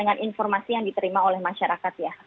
ini juga informasi yang diterima oleh masyarakat ya